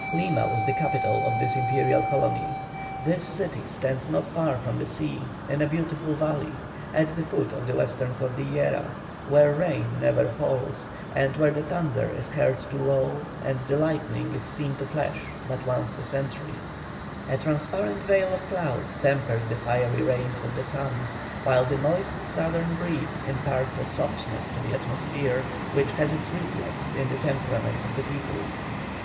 Lima was the capital of this imperial colony. This city stands not far from the sea, in a beautiful valley, at the foot of the Western Cordillera, where rain never falls, and where the thunder is heard to roll and the lightning is seen to flash but once in a century. A transparent veil of clouds tempers the fiery rays of the sun, while the moist southern breeze imparts a softness to the atmosphere which has its reflex in the temperament of the people.